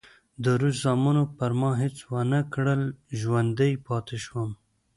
د روس زامنو پر ما هېڅ ونه کړل، ژوندی پاتې شوم.